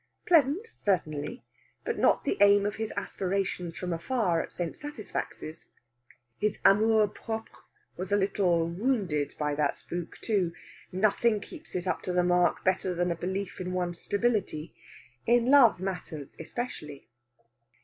Pleasant, certainly, but not the aim of his aspirations from afar at St. Satisfax's. His amour propre was a little wounded by that spook, too. Nothing keeps it up to the mark better than a belief in one's stability in love matters, especially.